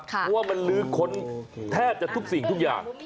เพราะว่ามันลื้อค้นแทบจะทุกสิ่งทุกอย่าง